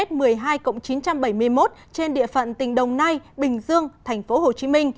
trên địa phận tỉnh đồng nai bình dương tp hcm